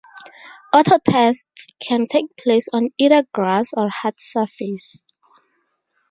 Autotests can take place on either grass or hard surface.